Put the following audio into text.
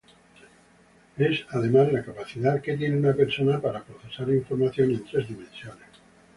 Es además, la capacidad que tiene una persona para procesar información en tres dimensiones.